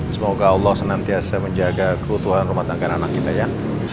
semoga allah senantiasa menjaga keutuhan rumah tangga dan anak kita ya